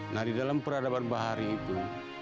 nah di dalam peradaban bahari itu